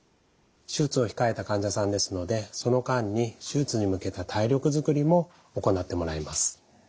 手術を控えた患者さんですのでその間に手術に向けた体力作りも行ってもらいます。